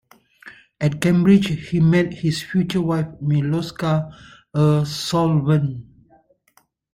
At Cambridge he met his future wife Miloska, a Slovene.